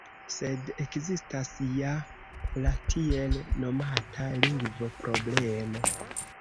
Sed ekzistas ja la tiel nomata “lingvo-problemo”.